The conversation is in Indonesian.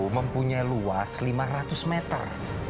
mempunyai luas lima ratus meter